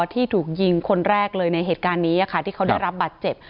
ที่ถูกยิงคนแรกเลยในเหตุการณ์นี้ที่เขาได้รับบาดเจ็บ